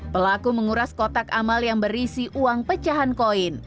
pelaku menguras kotak amal yang berisi uang pecahan koin